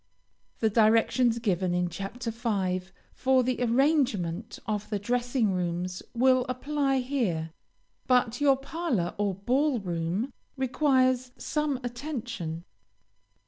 The directions given in chapter 5th for the arrangement of the dressing rooms will apply here, but your parlor, or ball room, requires some attention.